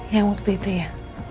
yang waktu itu ya